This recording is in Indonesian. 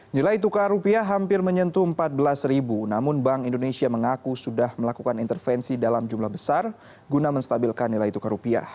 nilai tukar rupiah hampir menyentuh empat belas namun bank indonesia mengaku sudah melakukan intervensi dalam jumlah besar guna menstabilkan nilai tukar rupiah